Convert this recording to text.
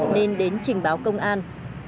trình báo công an